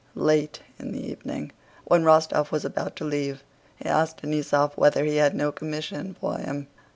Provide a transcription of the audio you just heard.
Late in the evening, when Rostóv was about to leave, he asked Denísov whether he had no commission for him.